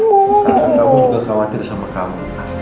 mbak andien juga khawatir sama kamu